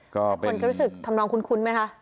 ก็เป็นคนจะรู้สึกทำน้องคุ้นไหมคะ